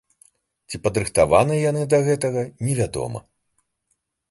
Ці падрыхтаваныя яны да гэтага, невядома.